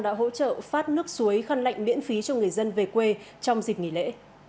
đã hỗ trợ phát nước suối khăn lạnh miễn phí cho người dân về quê trong dịp nghỉ lễ